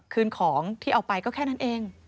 คืนของที่เอาไปก็แค่นั้นเอง